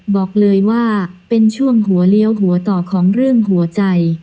บอกเลยว่าเป็นช่วงหัวเลี้ยวหัวต่อของเรื่องหัวใจ